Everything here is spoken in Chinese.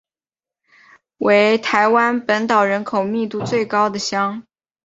为台湾本岛人口密度最高的乡。